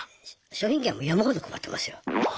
商品券はもう山ほど配ってますよ。